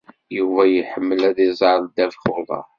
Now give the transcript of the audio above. Yuba iḥemmel ad iẓer ddabex uḍar.